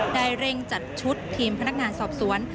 ได้เร่งจัดชุดทีมพนักงานสอบสวน